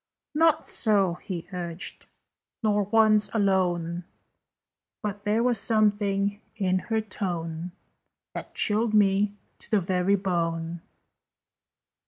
"Not so," he urged, "nor once alone: But there was something in her tone That chilled me to the very bone.